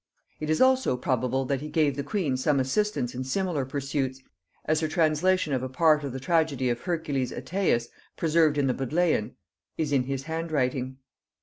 It is also probable that he gave the queen some assistance in similar pursuits, as her translation of a part of the tragedy of Hercules Oetæus, preserved in the Bodleian, is in his handwriting.